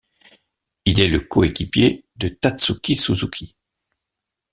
Il est le co-équipier de Tatsuki Suzuki.